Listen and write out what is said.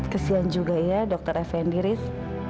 kesian juga ya dr effendi ris